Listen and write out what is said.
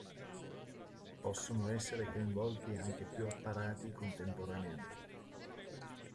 Possono essere coinvolti anche più apparati contemporaneamente.